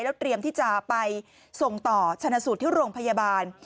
เตรียมที่จะไปส่งต่อชนะสูตรที่โรงพยาบาล